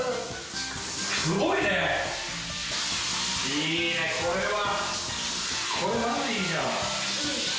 いいねこれは。